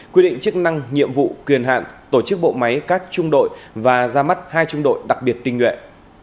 quy định chức năng nhiệm vụ quyền hạn tổ chức bộ máy các trung đội và ra mắt hai trung đội đặc biệt tinh nguyện